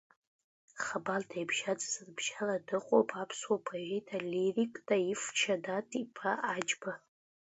Хабарда ибжьаӡыз рыбжьара дыҟоуп, аԥсуа поет-алирик, Таиф Шьаадаҭ-иԥа Аџьба.